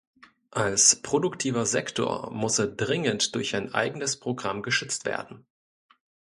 Als produktiver Sektor muss er dringend durch ein eigenes Programm geschützt werden.